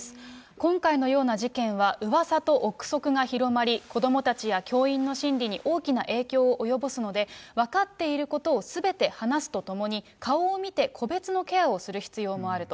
今回のような事件は、うわさと臆測が広まり、子どもたちや教員の心理に大きな影響を及ぼすので、分かっていることをすべて話すとともに、顔を見て個別のケアをする必要もあると。